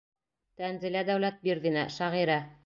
Тәнзилә Дәүләтбирҙина, шағирә: